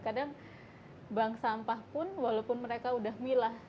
kadang bank sampah pun walaupun mereka udah milah